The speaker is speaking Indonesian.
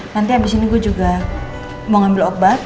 nanti abis ini gue juga mau ngambil obat